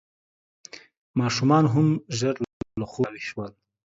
ماشومان هم ژر له خوبه راویښ شول.